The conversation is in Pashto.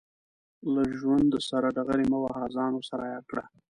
له ژوند سره ډغرې مه وهه، ځان ورسره عیار کړه.